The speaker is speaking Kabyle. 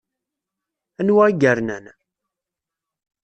Anwa i yernan?